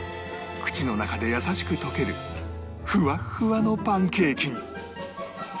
口の中で優しく溶けるフワッフワのパンケーキに